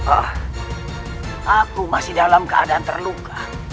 oh aku masih dalam keadaan terluka